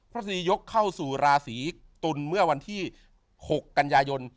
สนียกเข้าสู่ราศีตุลเมื่อวันที่๖กันยายน